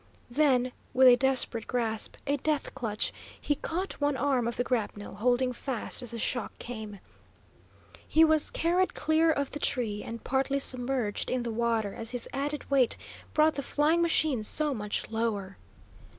Then, with a desperate grasp, a death clutch, he caught one arm of the grapnel, holding fast as the shock came. He was carried clear of the tree, and partly submerged in the water as his added weight brought the flying machine so much lower.